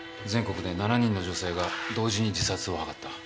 全国で７人の女性が同時に自殺を図った。